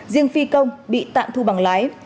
riêng phi công bị tạm thu bằng lái